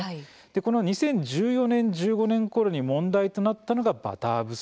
この２０１４年、１５年ごろに問題となったのがバター不足。